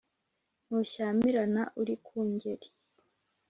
Ntushyamirana uri ku ngeri,